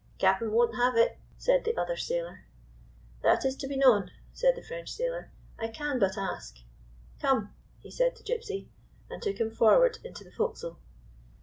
"Cap'n won't have it," said the other sailor. "That is to be known," said the French sailor. "I can but ask. Come," he said to Gypsy, and took him forward into the forecastle.